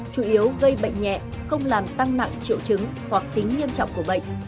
chủ yếu gây bệnh nhẹ không làm tăng nặng triệu chứng hoặc tính nghiêm trọng của bệnh